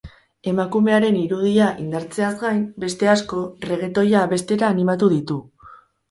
Emakumearen irudia indartzeaz gain, beste asko regetoia abestera animatu ditu.